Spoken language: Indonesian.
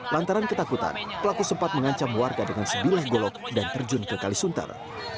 lantaran ketakutan pelaku sempat mengancam warga dengan sebilah golok dan terjun ke kalisuntar